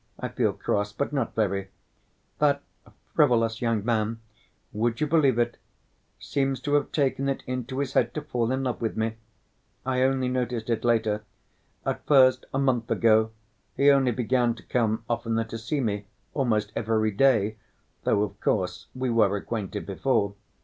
I feel cross, but not very), that frivolous young man, would you believe it, seems to have taken it into his head to fall in love with me. I only noticed it later. At first—a month ago—he only began to come oftener to see me, almost every day; though, of course, we were acquainted before.